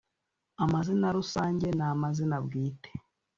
Amazina rusange na mazina bwite